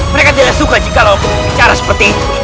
mereka tidak suka jika lo berbicara seperti itu